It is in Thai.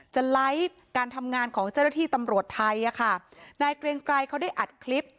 ไลฟ์การทำงานของเจ้าหน้าที่ตำรวจไทยอ่ะค่ะนายเกรียงไกรเขาได้อัดคลิป